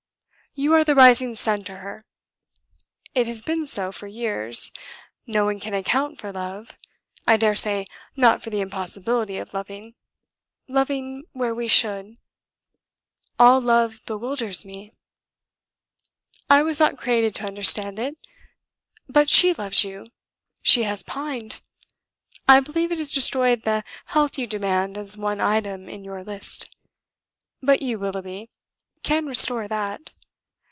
You are the rising sun to her. It has been so for years. No one can account for love; I daresay not for the impossibility of loving ... loving where we should; all love bewilders me. I was not created to understand it. But she loves you, she has pined. I believe it has destroyed the health you demand as one item in your list. But you, Willoughby, can restore that.